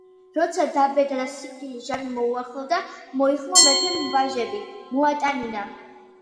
როცა დაბერდა და სიკვდილის ჟამი მოუახლოვდა, მოიხმო მეფემ ვაჟები, მოატანინა